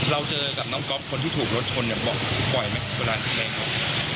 เราเจอกับน้องก๊อฟคนที่ถูกรถชนเนี่ยบอกว่าปล่อยไหมตอนที่แดง